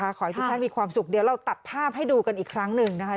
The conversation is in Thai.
ขอให้ทุกท่านมีความสุขเดี๋ยวเราตัดภาพให้ดูกันอีกครั้งหนึ่งนะคะ